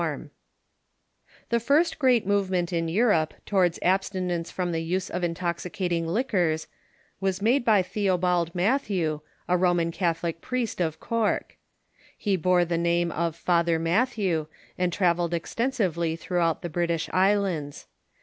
] The first great movement in Europe towards abstinence from the use of intoxicating liquors was made by Theobald Mathew, a Roman Catholic priest of Cork, Pie Temperance it, ^ ^j ^^ Father Mathew, and travelled Great Britain ... extensively throughout the British islands.